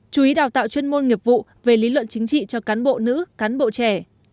chú ý đào tạo chuyên môn nghiệp vụ về lý luận chính trị cho cán bộ nữ cán bộ trẻ